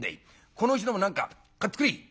このうちのもん何か買ってくれ」。